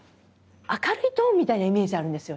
明るいトーンみたいなイメージあるんですよね。